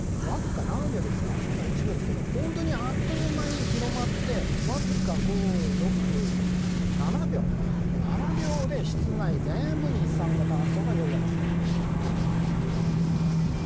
なので、本当にあっという間に広まってわずか７秒で室内全部に一酸化炭素が充満していったということです。